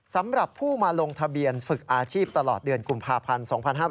สำหรับผู้มาลงทะเบียนฝึกอาชีพตลอดเดือนกุมภาพันธ์๒๕๕๙